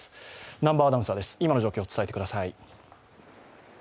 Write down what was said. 南波アナウンサーです、今の状況を伝えてください。